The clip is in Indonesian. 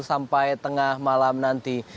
sampai tengah malam nanti